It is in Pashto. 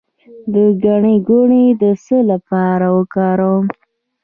د ګنی ګل د څه لپاره وکاروم؟